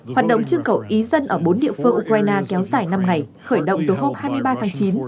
hoạt động trưng cầu ý dân ở bốn địa phương ukraine kéo dài năm ngày khởi động từ hôm hai mươi ba tháng chín